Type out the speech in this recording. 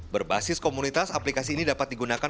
berbasis komunitas aplikasi ini dapat digunakan